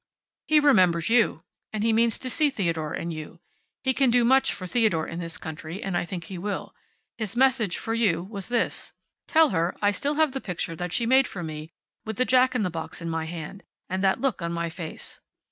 "He remembers you. And he means to see Theodore and you. He can do much for Theodore in this country, and I think he will. His message for you was this: `Tell her I still have the picture that she made of me, with the jack in the box in my hand, and that look on my face.